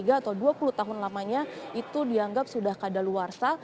atau dua puluh tahun lamanya itu dianggap sudah kadaluarsa